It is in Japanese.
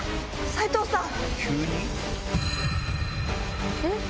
斉藤さん！